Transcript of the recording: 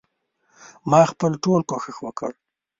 ما خپل ټول کوښښ وکړ.